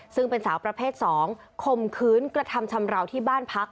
ซึ่งเป็นสาวประเภท๒คมคืนกระทำชำราวที่บ้านพัก